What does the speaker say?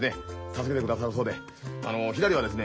助けてくださるそうでひらりはですね